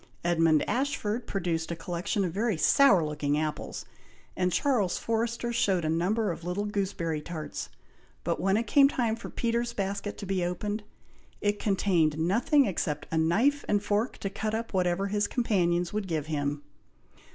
Edmund Ashford produced a collection of very sour looking apples, and Charles Forrester showed a number of little gooseberry tarts, but when it became time for Peter's basket to be opened, it contained nothing except a knife and fork to cut up whatever his companions would give him!